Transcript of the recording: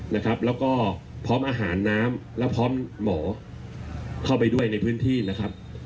แล้วก็พร้อมอาหารน้ำแล้วพร้อมหมอเข้าไปด้วยในพื้นที่นะครับ